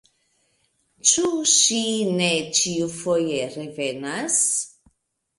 Ĉu ŝi ne ĉiufoje revenas?